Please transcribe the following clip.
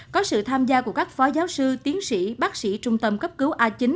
có sự tham gia của các phó giáo sư tiến sĩ bác sĩ trung tâm cấp cứu a chín